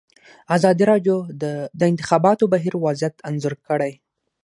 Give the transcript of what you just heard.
ازادي راډیو د د انتخاباتو بهیر وضعیت انځور کړی.